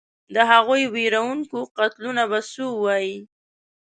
د هغو وېروونکو قتلونو به څه ووایې.